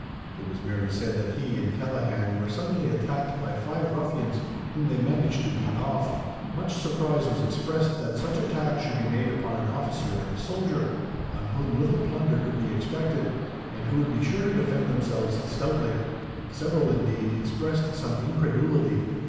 It was merely said that he and Callaghan were suddenly attacked, by five ruffians, whom they managed to beat off. Much surprise was expressed that such attack should be made upon an officer and a soldier, on whom little plunder could be expected, and who would be sure to defend themselves stoutly. Several, indeed, expressed some incredulity.